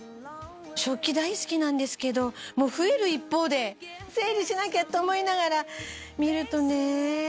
食器大好きなんですけど増える一方で整理しなきゃと思いながら見るとね。